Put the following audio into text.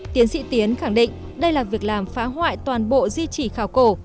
tiến sĩ tiến khẳng định đây là việc làm phá hoại toàn bộ di trì khảo cổ